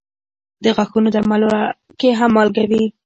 د غاښونو درملو کې هم مالګه وي.